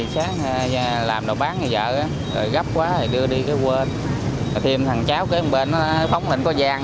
sát làm đầu bán với vợ gấp quá đưa đi quên thêm thằng cháu kế bên đó phóng lên có gian